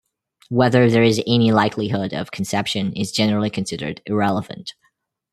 Whether there is any likelihood of conception is generally considered irrelevant.